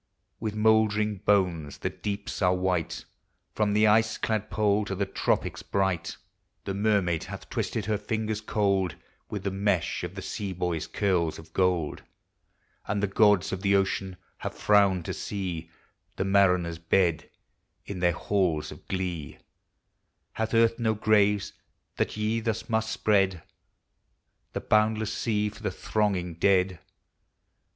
With mouldering bones the deeps are white, From the ice clad pole to the tropics bright; 396 POEMS OF NATURE. The mermaid hath twisted her fingers cold With the mesh of the sea boy's curls of gold, And the gods of the ocean have frowned to see The mariner's bed in their halls of glee; Hath earth no graves, that ye thus must spread The boundless sea for the thronging dead?